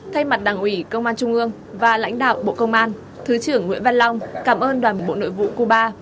thay mặt đảng ủy công an trung ương và lãnh đạo bộ công an thứ trưởng nguyễn văn long cảm ơn đoàn bộ nội vụ cuba